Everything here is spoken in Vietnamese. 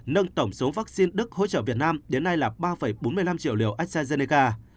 nâng tổng số vaccine đức hỗ trợ việt nam đến nay là ba bốn mươi năm triệu liều astrazeneca